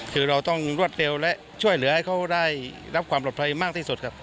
คือเราต้องรวดเร็วและช่วยเหลือให้เขาได้รับความปลอดภัยมากที่สุดครับ